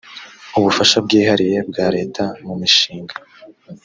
ubufasha bwihariye bwa leta mu mishinga